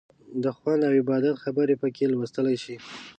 د خوند او عبادت خبرې پکې لوستلی شئ.